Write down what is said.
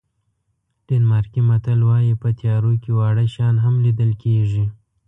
ډنمارکي متل وایي په تیارو کې واړه شیان هم لیدل کېږي.